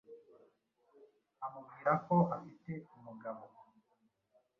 amubwira ko afite umugabo